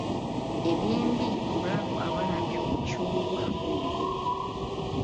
Eby'embi omulalu awalampye omucungwa ogwo.